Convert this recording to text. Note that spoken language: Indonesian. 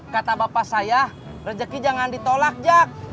kata bapak saya rejeki jangan ditolak jack